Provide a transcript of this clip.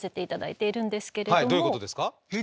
はいどういうことですか？